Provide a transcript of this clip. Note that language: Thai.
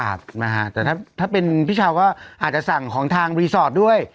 แต่ถ้าเป็นพี่ชาวก็อาจจะสั่งของทางรีสอร์ทด้วย